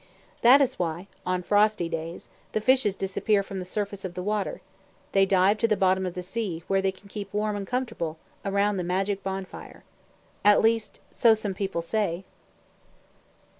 That is why, on frosty days, the fishes disappear from the surface of the water. They dive to the bottom of the sea, where they can keep warm and comfortable, around the magic bonfire. AT LEAST, SO SOME PEOPLE SAY.